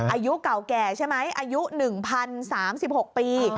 อายุเก่าแก่ใช่ไหมอายุ๑๐๓๖ปี